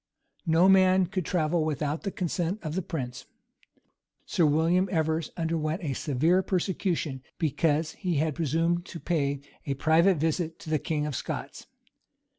[] No man could travel without the consent of the prince. Sir William Evers underwent a severe persecution because he had presumed to pay a private visit to the king of Scots.